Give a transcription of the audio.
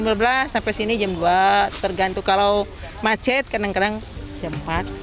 jam dua belas sampai sini jam dua tergantung kalau macet kadang kadang jam empat